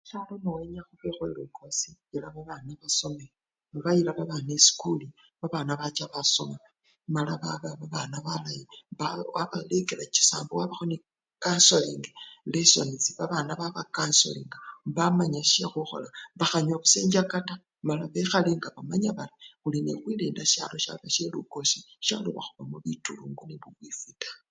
Khushalo nowenya khube khwelukosi, yila babana basome nga wayilile babana esikuli babana bacha basoma amala babana balayi, wabalekela chisambo, wabakho nekansoling lessons, babana babaksnsolinga bamanya shekhukhola bakhanywa busa enchaka taa nebamanya bari khuli nekhulinda sishalo shaba shelukosi shaloba khubamo bitulungu nebabefwi taa.